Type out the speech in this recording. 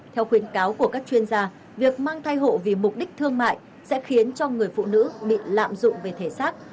theo khuyến cáo của các chuyên gia việc mang thai hộ vì mục đích thương mại sẽ khiến cho người phụ nữ bị lạm dụng về thể xác